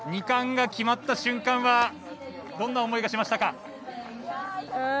２冠が決まった瞬間はどんな思いがしましたか。